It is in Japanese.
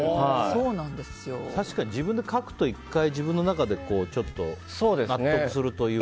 確かに自分で書くと自分の中で１回ちょっと、納得するというか。